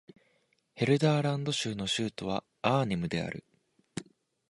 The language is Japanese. ヘルダーラント州の州都はアーネムである